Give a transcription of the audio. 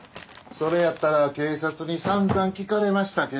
それやったら警察にさんざん聞かれましたけど。